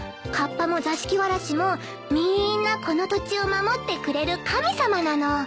カッパも座敷わらしもみんなこの土地を守ってくれる神様なの。